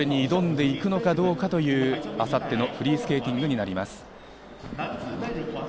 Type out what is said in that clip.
それに挑んでいくのかどうかという、明後日のフリースケーティングになります。